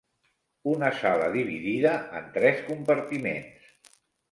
Una sala dividida en tres compartiments.